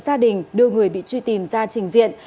gia đình đưa người bị truy tìm ra trình diện